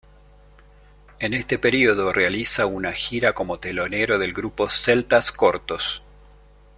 En este periodo realiza una gira como telonero del grupo Celtas Cortos.